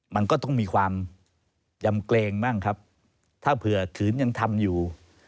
มันก็ต้องมีความยำเกรงบ้างครับถ้าเผื่อขืนยังทำอยู่